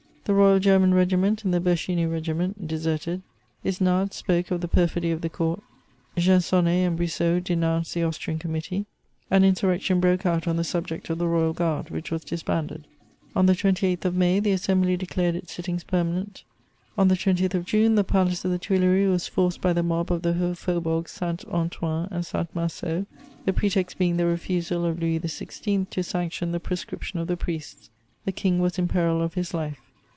The Royal German Regiment and the Berchiny Regiment deserted. Isnard spoke of the perfidy of the Court, Gensonné and Brissot denounced the Austrian Committee. An insurrection broke out on the subject of the Royal Guard, which was disbanded. On the 28th of May, the Assembly declared its sittings permanent. On the 20th of June, the Palace of the Tuileries was forced by the mob of the Faubourgs Saint Antoine and Saint Marceau, the pretext being the refusal of Louis XVI. to sanction the proscription of the priests; the King was in peril of his life.